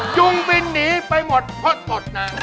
ยุงบินหนีไปหมดพดหมดนะ